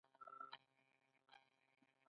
د مخ ښکاره کېدل، مسکا او لاس اوږدول د بدن ژبه ده.